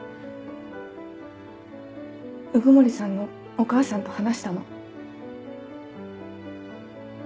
鵜久森さんのお母さんと話したの。